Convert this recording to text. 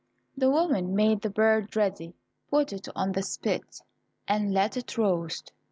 The woman made the bird ready, put it on the spit, and let it roast.